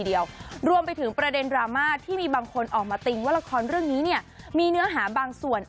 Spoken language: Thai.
เดียวรวมไปถึงประเด็นดราม่าที่มีบางคนออกมาติ้งว่าละครเรื่องนี้เนี่ยมีเนื้อหาบางส่วน